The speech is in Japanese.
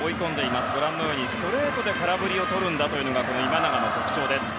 ストレートで空振りをとるんだというのが今永の特徴です。